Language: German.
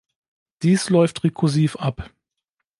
Dies läuft rekursiv ab.